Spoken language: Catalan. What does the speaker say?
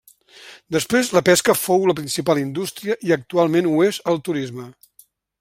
Després la pesca fou la principal indústria i actualment ho és el turisme.